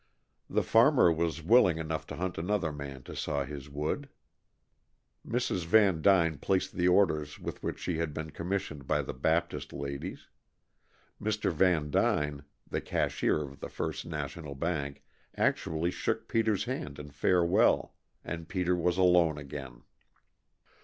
The farmer was willing enough to hunt another man to saw his wood. Mrs. Vandyne placed the orders with which she had been commissioned by the Baptist ladies; Mr. Vandyne the cashier of the First National Bank actually shook Peter's hand in farewell, and Peter was alone again.